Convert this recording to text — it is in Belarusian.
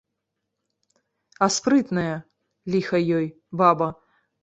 А спрытная, ліха ёй, баба.